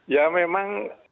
ya memang masih ada